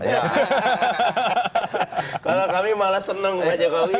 kalau kami malah seneng pak jokowi